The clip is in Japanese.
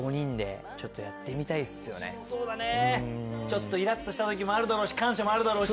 そうだねちょっとイラっとした時もあるだろうし感謝もあるだろうし。